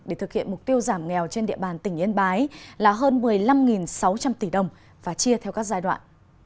để thực hiện mục tiêu giảm nghèo trên địa bàn tỉnh yên bái là hơn một mươi năm sáu trăm linh tỷ đồng và chia theo các giai đoạn